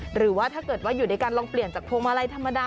หรือว่าถ้าเกิดว่าอยู่ด้วยกันลองเปลี่ยนจากพวงมาลัยธรรมดา